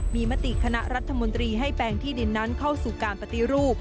มีมติคณะรัฐมนตรีให้แปลงที่ดินนั้นเข้าสู่การปฏิรูป